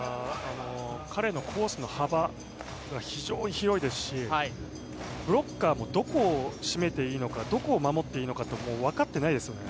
彼のコースの幅、非常に広いですしブロッカーもどこをしめていいのかどこを守っていいのか分かってないですよね。